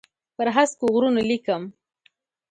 پر هسکو غرونو لیکم